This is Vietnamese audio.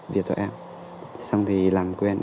việc cho em xong thì làm quen